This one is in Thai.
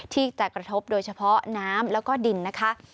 ที่จะกระทบโดยเฉพาะน้ำแล้วก็ดินนะคะ